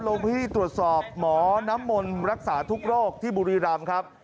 ลงพื้นที่ตรวจสอบหมอน้ำมนต์รักษาทุกโรคที่บุรีรำครับ